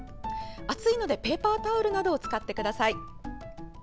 熱いので、ペーパータオルなどを使ってください。